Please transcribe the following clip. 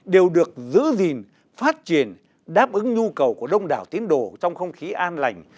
đều được giữ gìn phát triển đáp ứng nhu cầu của đông đảo tiến đồ trong không khí an lành